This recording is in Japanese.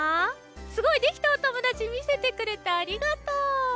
すごい！できたおともだちみせてくれてありがとう。